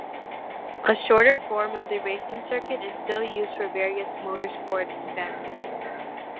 A shorter form of the racing circuit is still used for various motorsport events.